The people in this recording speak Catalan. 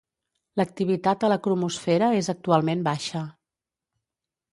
L'activitat a la cromosfera és actualment baixa.